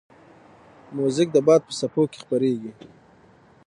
موزیک د باد په څپو کې ویریږي.